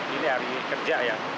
ini hari kerja ya